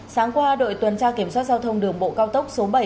sáng qua đội tuần tra kiểm soát giao thông đường bộ cao tốc số bảy